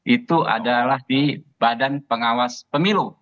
itu adalah di badan pengawas pemilu